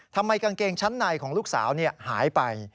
กางเกงชั้นในของลูกสาวหายไป